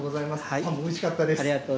パン、おいしかったです。